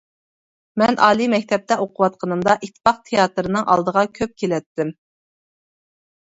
مەن ئالىي مەكتەپتە ئوقۇۋاتقىنىمدا ئىتتىپاق تىياتىرىنىڭ ئالدىغا كۆپ كېلەتتىم.